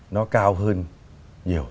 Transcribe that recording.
nó cao hơn nhiều